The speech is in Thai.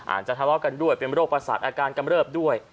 อาจจะทะเลาะกันด้วยเป็นโรคประสาทอาการกำเริบด้วย